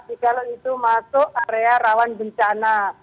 jika itu masuk area rawan bencana